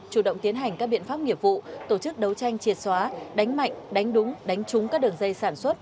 chủ động tiến hành các biện pháp nghiệp vụ tổ chức đấu tranh triệt xóa đánh mạnh đánh đúng đánh trúng các đường dây sản xuất